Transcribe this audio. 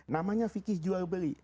namanya fikih jual beli